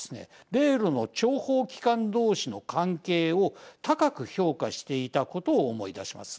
米ロの諜報機関同士の関係を高く評価していたことを思い出します。